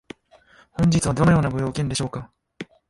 本日はどのようなご用件でしょうか？